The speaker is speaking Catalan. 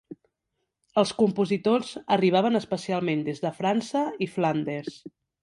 Els compositors arribaven especialment des de França i Flandes.